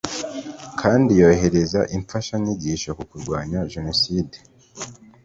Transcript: kandi yohereza imfashanyigisho ku kurwanya jenoside